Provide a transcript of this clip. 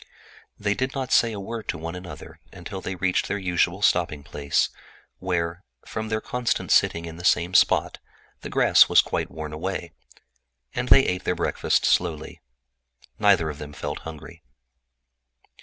They did not say a word to one another until they reached their usual halting place, where, from their constant sitting in the same spot the grass was quite worn away. They ate their breakfast slowly. Neither of them felt hungry.